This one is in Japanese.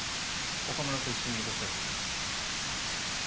岡村と一緒に僕たちも。